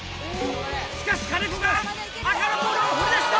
しかし金子が赤のボールを掘り出した！